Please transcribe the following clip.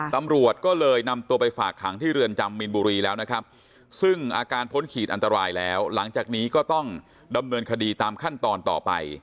ตำรวจก็เลยนำตัวไปฝากขังที่เรือนจำมีนบุรีแล้วนะครับซึ่งอาการพ้นขีดอันตรายแล้วหลังจากนี้ก็ต้องดำเนินคดีตามขั้นตอนต่อไป